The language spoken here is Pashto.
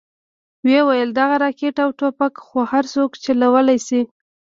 ويې ويل دغه راکټ او ټوپکې خو هرسوک چلوې شي.